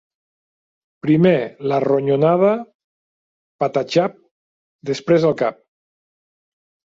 Primer la ronyonada, pataxap; després el cap.